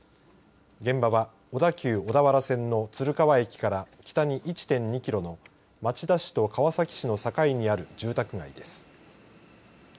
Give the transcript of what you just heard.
現場は小田急小田原線の鶴川駅から北に１．２キロの町田市と川崎市の境にある住宅街です。